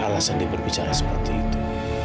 alasan diperbicara seperti itu